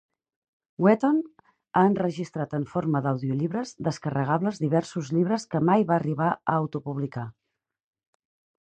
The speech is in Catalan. Wheaton ha enregistrat en forma d'audiollibres descarregables diversos llibres que mai va arribar a autopublicar.